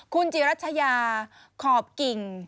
คุณจิรัชยาขอบกิ่ง